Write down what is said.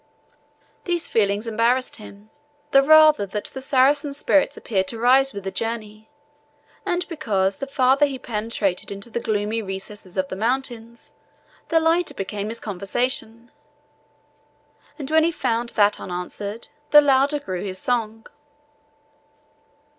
These feelings embarrassed him the rather that the Saracen's spirits appeared to rise with the journey, and because the farther he penetrated into the gloomy recesses of the mountains, the lighter became his conversation, and when he found that unanswered, the louder grew his song.